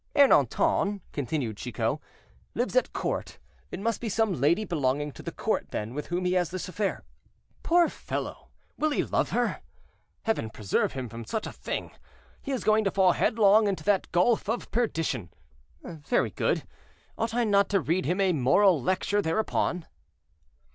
"Ernanton," continued Chicot, "lives at court; it must be some lady belonging to the court, then, with whom he has this affair. Poor fellow, will he love her? Heaven preserve him from such a thing! he is going to fall headlong into that gulf of perdition. Very good! ought I not to read him a moral lecture thereupon?